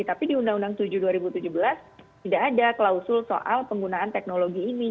tapi di undang undang tujuh dua ribu tujuh belas tidak ada klausul soal penggunaan teknologi ini